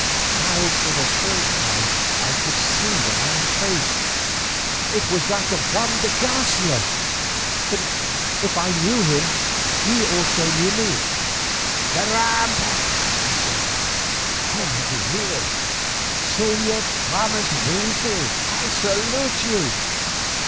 Now for the first time I could see the man's face—it was that of Juan de Garcia! But if I knew him he also knew me. "Caramba!" he said, "whom have we here? Señor Thomas Wingfield I salute you.